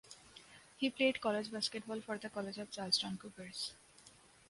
He played college basketball for the College of Charleston Cougars.